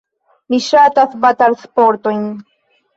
Mi ŝatas batalsportojn.